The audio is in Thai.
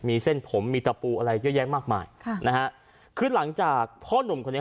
มีเส้นผมมีตะปูอะไรเยอะแยะมากมายค่ะนะฮะคือหลังจากพ่อหนุ่มคนนี้